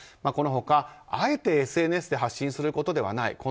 この他、あえてＳＮＳで発信することではない。